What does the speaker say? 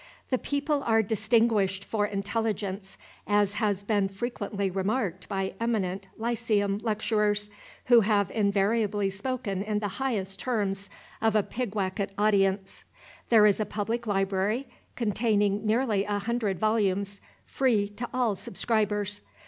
The people are distinguished for intelligence, as has been frequently remarked by eminent lyceum lecturers, who have invariably spoken in the highest terms of a Pigwacket audience. There is a public library, containing nearly a hundred volumes, free to all subscribers.